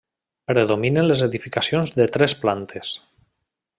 Predominen les edificacions de tres plantes.